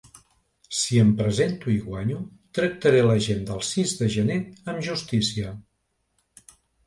Si em presento i guanyo, tractaré la gent del sis de gener amb justícia.